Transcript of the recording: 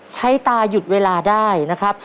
ใช้ตาหยุดเวลาได้นะครับ